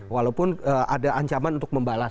walaupun ada ancaman untuk membalas